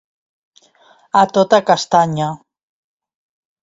A tota castanya.